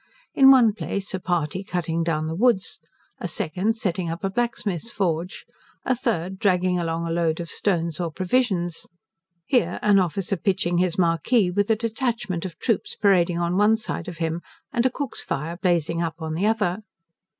In one place, a party cutting down the woods; a second, setting up a blacksmith's forge; a third, dragging along a load of stones or provisions; here an officer pitching his marquee, with a detachment of troops parading on one side of him, and a cook's fire blazing up on the other.